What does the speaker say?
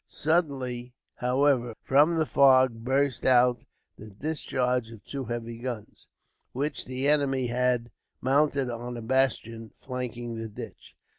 Suddenly, however, from the fog burst out the discharge of two heavy guns, which the enemy had mounted on a bastion flanking the ditch.